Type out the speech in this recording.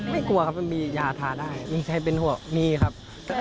ไม่ครับจะมียาทาได้ช่อมันไม่ใช่เป็นหัวมีครับ